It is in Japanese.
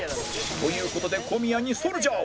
という事で小宮にソルジャーを！